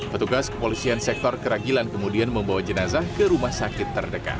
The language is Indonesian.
petugas kepolisian sektor keragilan kemudian membawa jenazah ke rumah sakit terdekat